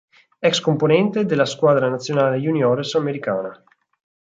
Ex componente della squadra nazionale juniores americana.